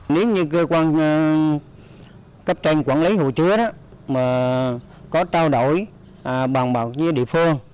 nếu như cơ quan cấp tranh quản lý hồ chứa có trao đổi bằng bảo như địa phương